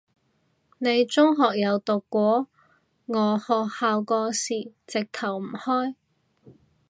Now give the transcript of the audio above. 你中學有讀過？我學校嗰時直頭唔開